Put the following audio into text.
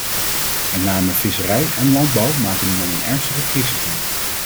Met name visserij en landbouw maken nu al een ernstige crisis door.